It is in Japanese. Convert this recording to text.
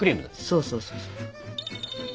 そうそうそうそう。